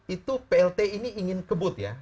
itu plt ini ingin kebut ya